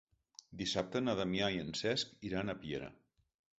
Dissabte na Damià i en Cesc iran a Piera.